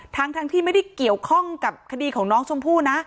ทั้งที่ไม่ได้เกี่ยวข้องกับคดีของน้องชมพู่นะ